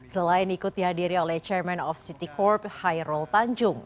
selain ikut dihadiri oleh chairman of city corp hairul tanjung